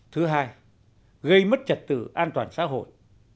thứ hai gây mất trật tự an toàn xã hội